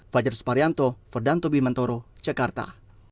fajar suparyanto ferdanto bimantoro jakarta